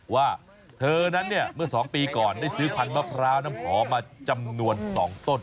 ว่าเธอนั้นเนี่ยเมื่อ๒ปีก่อนได้ซื้อพันธมะพร้าวน้ำหอมมาจำนวน๒ต้น